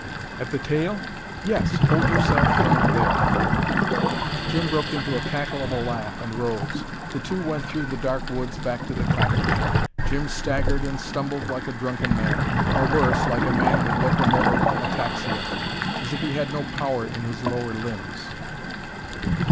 "At the tail?" "Yes. Hold yourself firm there." Jim broke into a cackle of a laugh, and rose. The two went through the dark woods back to the cottage. Jim staggered and stumbled like a drunken man: or worse, like a man with locomotor ataxia: as if he had no power in his lower limbs.